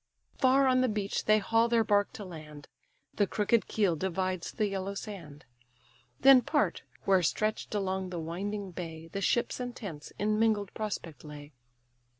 Far on the beach they haul their bark to land, (The crooked keel divides the yellow sand,) Then part, where stretch'd along the winding bay, The ships and tents in mingled prospect lay.